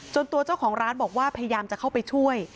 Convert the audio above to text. ตัวเจ้าของร้านบอกว่าพยายามจะเข้าไปช่วย